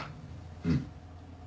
うん。